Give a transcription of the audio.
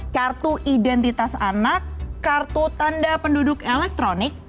kartu identitas anak kartu tanda penduduk elektronik